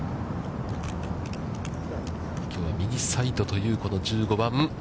きょうは右サイドというこの１５番。